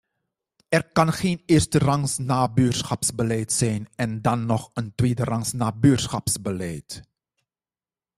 Er kan geen eersterangs nabuurschapsbeleid zijn en dan nog een tweederangs nabuurschapsbeleid.